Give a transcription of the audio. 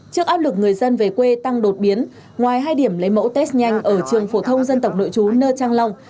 trước áp lực người dân về quê tăng đột biến ngoài hai điểm lấy mẫu test nhanh ở trường phổ thông dân tộc nội chú nơi trang long